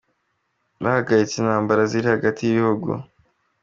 Bahagaritse intamabara ziri hagati y’ibihugu